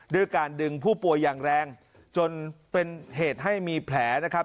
ด้วยการดึงผู้ป่วยอย่างแรงจนเป็นเหตุให้มีแผลนะครับ